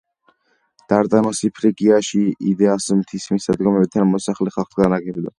დარდანოსი ფრიგიაში, იდას მთის მისადგომებთან მოსახლე ხალხს განაგებდა.